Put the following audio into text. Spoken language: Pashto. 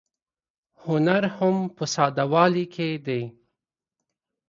هنر هم په ساده والي کې دی.